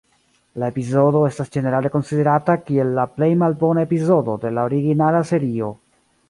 La epizodo estas ĝenerale konsiderata kiel la plej malbona epizodo de la originala serio.